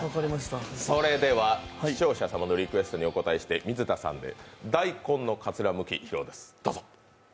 それでは視聴者様のリクエストにお応えして水田さんで、大根のかつらむき披露です、どうぞ！